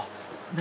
何？